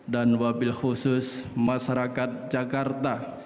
dan wabil khusus masyarakat jakarta